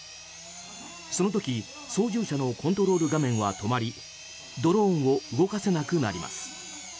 その時、操縦者のコントロール画面は止まりドローンを動かせなくなります。